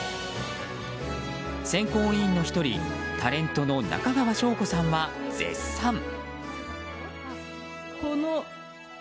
選考委員の１人タレントの中川翔子さんは絶賛。